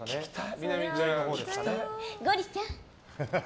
ゴリちゃん！